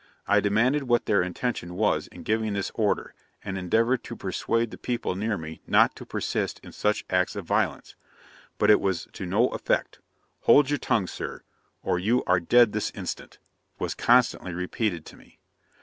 I demanded what their intention Was in giving this order, and endeavoured to persuade the people near me not to persist in such acts of violence; but it was to no effect "Hold your tongue, Sir, or you are dead this instant," was constantly repeated to me.